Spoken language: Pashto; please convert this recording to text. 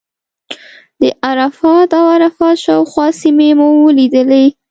د عرفات او عرفات شاوخوا سیمې مو ولیدې.